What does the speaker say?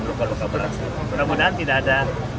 luka luka berat mudah mudahan tidak ada